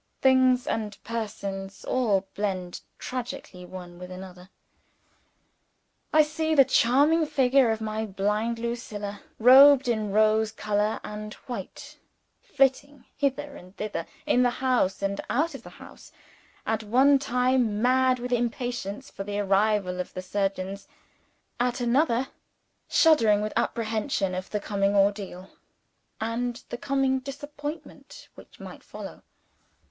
Things and persons all blend distractedly one with another. I see the charming figure of my blind Lucilla, robed in rose color and white, flitting hither and thither, in the house and out of the house at one time mad with impatience for the arrival of the surgeons; at another, shuddering with apprehension of the coming ordeal, and the coming disappointment which might follow.